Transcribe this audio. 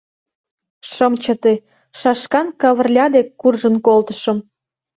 Шым чыте, Шашкан Кавырля дек куржын колтышым.